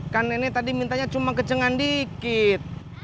kan nenek tadi cuma minta kecengkan dikit